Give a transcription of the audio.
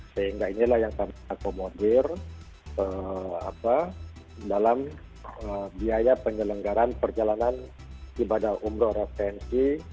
sehingga inilah yang kami akomodir dalam biaya penyelenggaran perjalanan ibadah umroh referensi